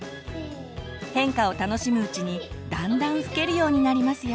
変化を楽しむうちにだんだん吹けるようになりますよ。